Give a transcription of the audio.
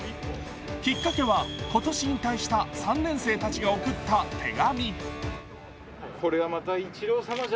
きっかけは今年引退した３年生たちが送った手紙。